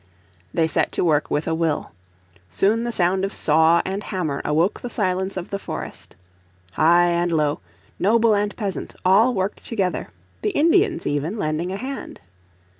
They set to work with. a will. Soon the sound of saw and hammer awoke the silence of the forest. High and low, noble and peasant, all worked together, the Indians, even, lending a hand.